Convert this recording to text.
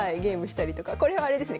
これはあれですね